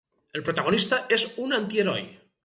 El protagonista és un antiheroi.